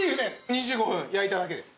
２５分焼いただけです。